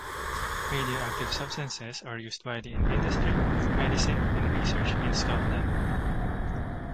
Radioactive substances are used widely in industry, medicine and research in Scotland.